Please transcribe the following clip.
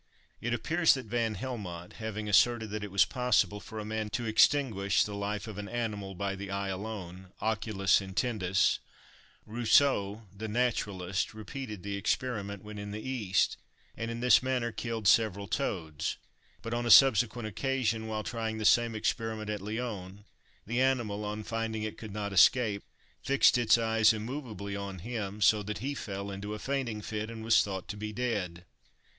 It appears that Van Helmont having asserted that it was possible for a man to extinguish the life of an animal by the eye alone (oculis intentis), Rousseau, the naturalist, repeated the experiment, when in the East, and in this manner killed several toads; but on a subsequent occasion, while trying the same experiment at Lyons, the animal, on finding it could not escape, fixed its eyes immovably on him, so that he fell into a fainting fit, and was thought to be dead.